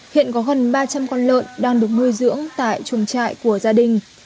hiện có gần ba trăm linh con lợn đang được nuôi dưỡng tại trùng trại của gia đình